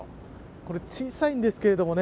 これ小さいんですけどね